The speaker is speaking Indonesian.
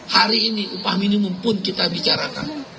hari ini upah minimum pun kita bicarakan